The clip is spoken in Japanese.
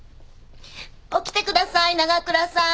起きてください長倉さん。